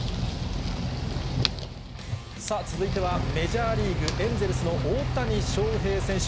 さあ、続いては、メジャーリーグ・エンゼルスの大谷翔平選手。